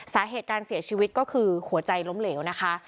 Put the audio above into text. สาเหตุการเสียชีวิตก็คือหัวใจล้มเหลวนะคะ